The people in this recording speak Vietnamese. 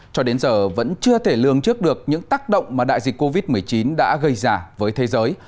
cho đến giờ vẫn chưa thể lương trước được những tác động mà đại dịch covid một mươi chín đã gây ra với thế giới